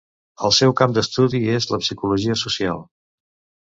El seu camp d'estudi és la psicologia social.